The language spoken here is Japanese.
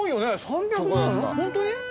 ３００万ホントに？